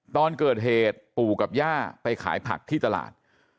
ตอนเกิดเหตุปู่กับย่าไปขายผักที่ตลาด